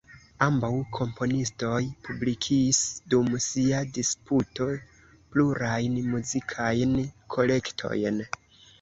Ambaŭ komponistoj publikis dum sia disputo plurajn muzikajn kolektojn.